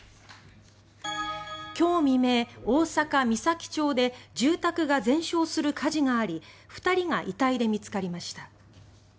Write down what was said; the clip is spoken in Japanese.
今日未明大阪・岬町で住宅が全焼する火事があり２人が遺体で見つかりました。